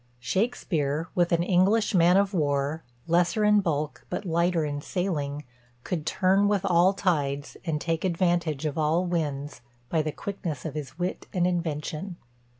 Shakspeare, with an English man of war, lesser in bulk, but lighter in sailing, could turn with all tides, and take advantage of all winds, by the quickness of his wit and invention."